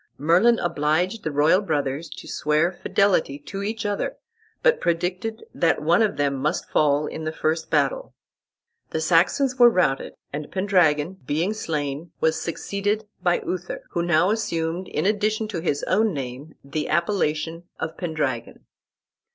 Merlin obliged the royal brothers to swear fidelity to each other, but predicted that one of them must fall in the first battle. The Saxons were routed, and Pendragon, being slain, was succeeded by Uther, who now assumed in addition to his own name the appellation of Pendragon.